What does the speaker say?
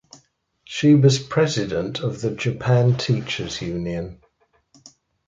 She was president of the Japan Teachers Union.